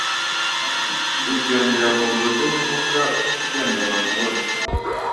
Ugendera mu budahemuka agendana amahoro